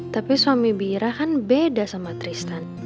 tapi suami bira kan beda sama tristan